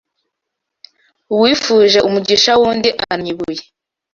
Uwifuje umugisha w'undi annya ibuye